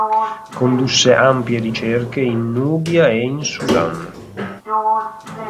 Condusse ampie ricerche in Nubia e in Sudan.